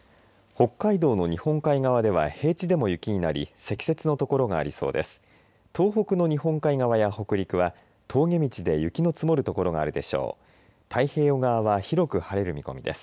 北海道の日本海側では平地でも雪になり積雪のところがありそうです。